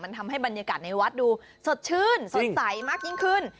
มันทำให้บรรยากาศในวัดดูสดชื่นสดใสมากยิ่งขึ้น